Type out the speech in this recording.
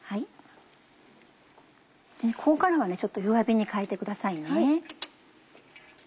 ここからはちょっと弱火に変えてくださいね。